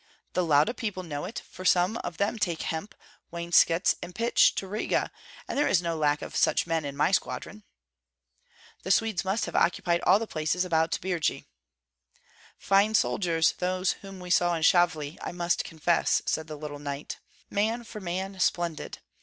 "The Lauda people know it; for some of them take hemp, wainscots, and pitch to Riga, and there is no lack of such men in my squadron." "The Swedes must have occupied all the places about Birji." "Fine soldiers, those whom we saw in Shavli, I must confess," said the little knight, "man for man splendid!